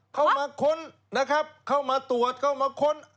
ค้นนะครับเข้ามาตรวจเข้ามาค้น